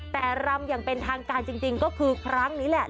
แต่รำอย่างเป็นทางการจริงก็คือครั้งนี้แหละ